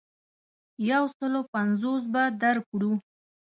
یو سلو پنځوس به درکړو.